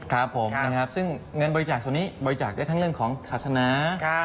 ครับผมนะครับซึ่งเงินบริจาคส่วนนี้บริจาคได้ทั้งเรื่องของศาสนา